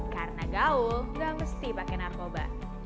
karena gaul gak mesti pakai narkoba